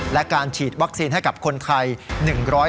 และการฉีดวัคซีนให้กับคนไทย